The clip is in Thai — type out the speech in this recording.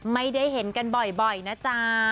ไม่ได้เห็นกันบ่อยนะจ๊ะ